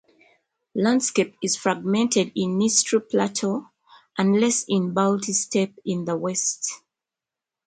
Landscape is fragmented in Nistru Plateau, and less in Balti steppe in the west.